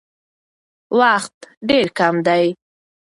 وخت ډېر کم دی.